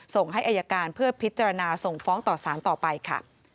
ส่งให้อายการเพื่อพิจารณาส่งฟ้องต่อสารต่อไปค่ะ